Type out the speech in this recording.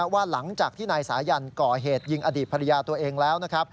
หลังจากที่นายสายันก่อเหตุยิงอดีตภรรยาตัวเองแล้ว